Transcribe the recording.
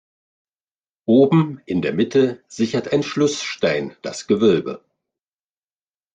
Oben in der Mitte sichert ein Schlussstein das Gewölbe.